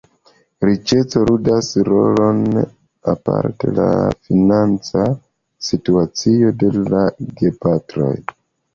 Riĉeco ludas rolon, aparte la financa situacio de la gepatroj.